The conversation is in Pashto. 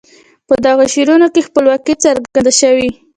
په دغو شعرونو کې خپلواکي څرګند شوي.